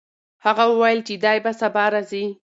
هغه وویل چې دی به سبا راځي.